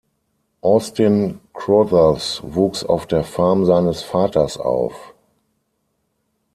Austin Crothers wuchs auf der Farm seines Vaters auf.